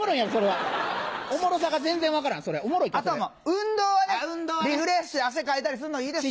運動はねリフレッシュ汗かいたりすんのいいですよ。